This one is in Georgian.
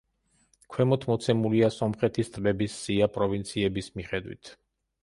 ქვემოთ მოცემულია სომხეთის ტბების სია პროვინციების მიხედვით.